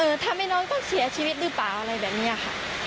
ทำให้น้องต้องเสียชีวิตหรือเปล่าอะไรแบบนี้ค่ะ